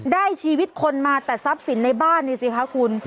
ชีวิตคนมาแต่ทรัพย์สินในบ้านนี่สิคะคุณ